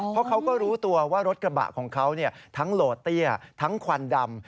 เพราะเขาก็รู้ตัวว่ารถกระบะของเขาทั้งโหลดเตี้ยทั้งควันดำ